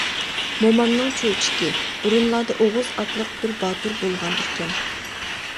مومامنىڭ چۆچىكى: بۇرۇنلاردا ئوغۇز ئاتلىق بىر باتۇر بولغانىكەن.